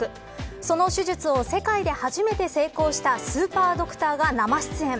その手術を世界で初めて成功したスーパードクターが生出演。